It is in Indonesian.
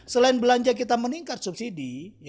selain belanja kita meningkat subsidi